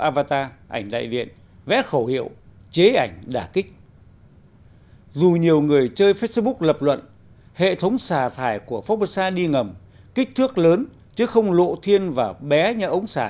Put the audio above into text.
phong mô sa hà tĩnh